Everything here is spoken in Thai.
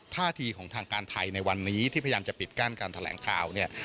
ท่าทีของทางการไทยในวันนี้ที่พยายามจะปิดกั้นการแถลงข่าวเนี่ย